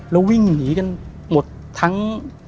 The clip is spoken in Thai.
แล้ววิ่งหนีกันหมดทั้ง